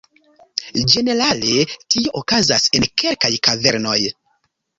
Ĝenerale tio okazas en kelkaj kavernoj.